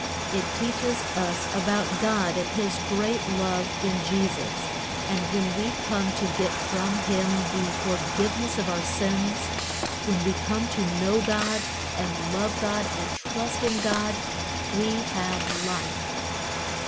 It teaches us about God and his great love in Jesus, and when we come to get from Him the forgiveness of our sins, when we come to know God and love God and trust in God, we have life.